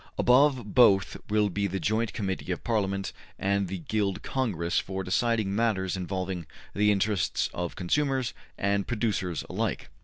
Above both will be the joint Committee of Parliament and the Guild Congress for deciding matters involving the interests of consumers and producers alike.